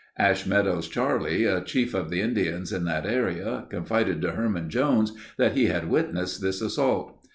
Ash Meadows Charlie, a chief of the Indians in that area confided to Herman Jones that he had witnessed this assault.